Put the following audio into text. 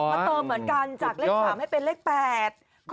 มาเติมเหมือนกันจากเลข๓ให้เป็นเลข๘